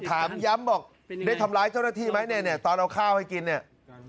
ถามย้ำบอกได้ทำร้ายเจ้าหน้าที่ไหมเนี่ยเนี่ยตอนเอาข้าวให้กินเนี่ย